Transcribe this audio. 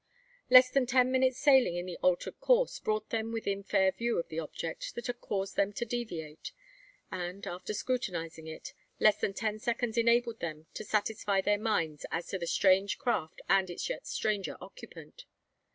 Less than ten minutes' sailing in the altered course brought them within fair view of the object that had caused them to deviate; and, after scrutinising it, less than ten seconds enabled them to satisfy their minds as to the strange craft and its yet stranger occupant.